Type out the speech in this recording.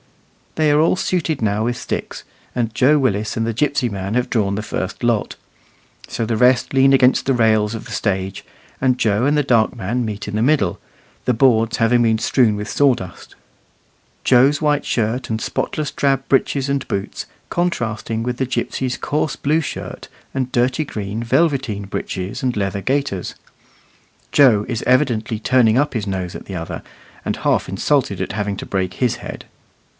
They are all suited now with sticks, and Joe Willis and the gipsy man have drawn the first lot. So the rest lean against the rails of the stage, and Joe and the dark man meet in the middle, the boards having been strewed with sawdust, Joe's white shirt and spotless drab breeches and boots contrasting with the gipsy's coarse blue shirt and dirty green velveteen breeches and leather gaiters. Joe is evidently turning up his nose at the other, and half insulted at having to break his head.